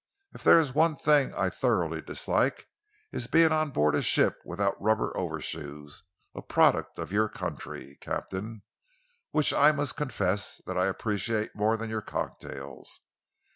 "If there is one thing I thoroughly dislike, it is being on board ship without rubber overshoes a product of your country, Captain, which I must confess that I appreciate more than your cocktails.